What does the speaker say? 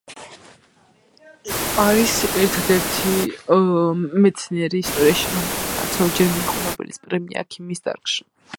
არის ერთადერთი მეცნიერი ისტორიაში, რომელმაც ორჯერ მიიღო ნობელის პრემია ქიმიის დარგში.